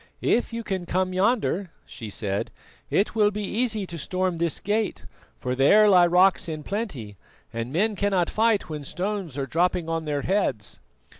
"If you can come yonder," she said, "it will be easy to storm this gate, for there lie rocks in plenty, and men cannot fight when stones are dropping on their heads."